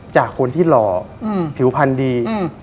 จากคนที่หล่อผิวพันธุ์ดี